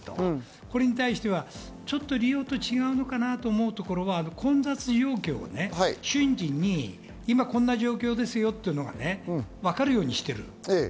これに対してはちょっとリオとは違うのかなと思うところは、混雑状況を瞬時に今、こんな状況ですよっていうのが分かるようにしている。